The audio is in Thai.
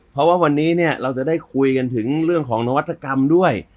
เพราะว่าวันนี้เนี่ยเราจะได้คุยกันถึงเรื่องของนวัตกรรมด้วย